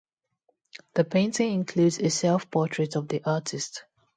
The painting includes a self-portrait of the artist.